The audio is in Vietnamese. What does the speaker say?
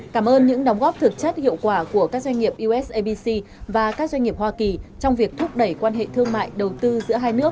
cảm ơn những đóng góp thực chất hiệu quả của các doanh nghiệp usabc và các doanh nghiệp hoa kỳ trong việc thúc đẩy quan hệ thương mại đầu tư giữa hai nước